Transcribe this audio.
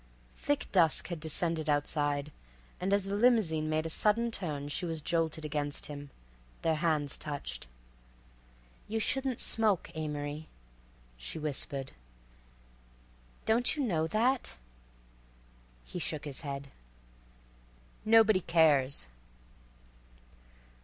Thick dusk had descended outside, and as the limousine made a sudden turn she was jolted against him; their hands touched. "You shouldn't smoke, Amory," she whispered. "Don't you know that?" He shook his head. "Nobody cares."